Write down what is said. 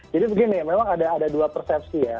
jadi begini ya memang ada dua persepsi ya